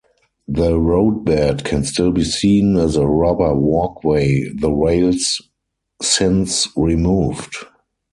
The roadbed can still be seen as a rubber walkway, the rails since removed.